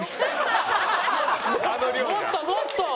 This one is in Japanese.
もっともっと！